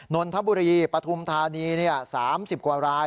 นนทบุรีปฐุมธานี๓๐กว่าราย